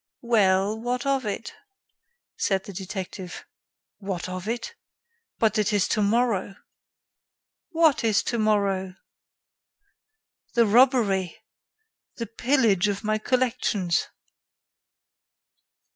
"Well, what of it?" said the detective. "What of it? But it is tomorrow." "What is tomorrow?" "The robbery! The pillage of my collections!"